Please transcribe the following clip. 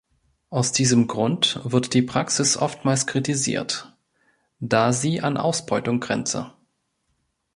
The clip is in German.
Aus diesem Grund wird die Praxis oftmals kritisiert, da sie an Ausbeutung grenze.